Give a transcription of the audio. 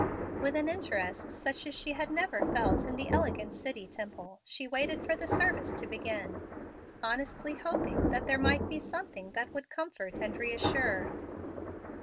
With an interest such as she had never felt in the elegant city temple, she waited for the service to begin, honestly hoping that there might be something that would comfort and reassure.